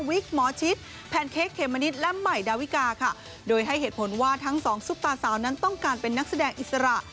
หมอชิดแพนเค้กเขมมะนิดและใหม่ดาวิกาค่ะโดยให้เหตุผลว่าทั้งสองซุปตาสาวนั้นต้องการเป็นนักแสดงอิสระ